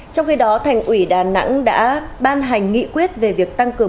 trong khi đó thành ủy đà nẵng đã ban hành nghị quyết về việc tăng cường